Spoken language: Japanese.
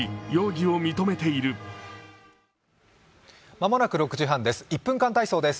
間もなく６時半です。